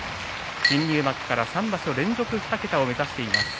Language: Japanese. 新入幕から３場所連続２桁を目指しています。